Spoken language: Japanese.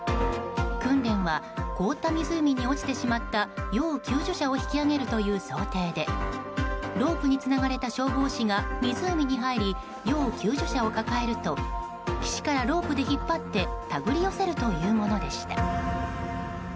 訓練は凍った湖に落ちてしまった要救助者を引き上げるという想定でロープにつながれた消防士が湖に入り要救助者を抱えると岸からロープを引っ張って手繰り寄せるというものでした。